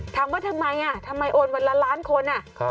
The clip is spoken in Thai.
ถามว่าทำไมทำไมโอนวันละล้านคน